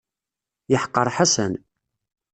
Yeḥqer Ḥasan.